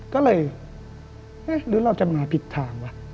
ก็เลยเอ๊ะหรือเราจะมาผิดทางวะ